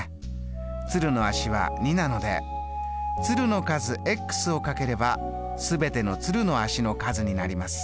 鶴の足は２なので鶴の数を掛ければ全ての鶴の足の数になります。